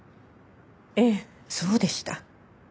ええそうでした。